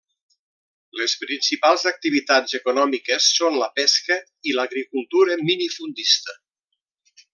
Les principals activitats econòmiques són la pesca i l’agricultura minifundista.